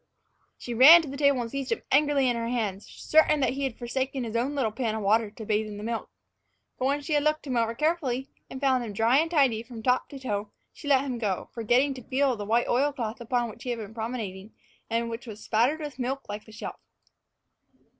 She ran to the table and seized him angrily in her hands, certain that he had forsaken his own little pan of water to bathe in the milk. But when she had looked him over carefully, and found him dry and tidy from top to toe, she let him go again, forgetting to feel of the white oil cloth upon which he had been promenading, and which was spattered with milk like the shelf.